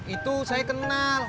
itu saya kenal